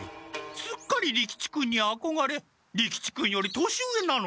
すっかり利吉君にあこがれ利吉君より年上なのに。